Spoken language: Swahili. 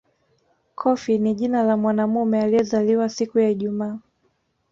Kofi ni jina la mwanamume aliyezaliwa siku ya Ijumaa